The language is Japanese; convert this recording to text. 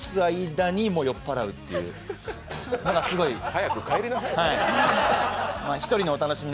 早く帰りなさい。